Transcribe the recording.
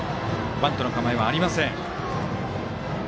バントの構えはありません。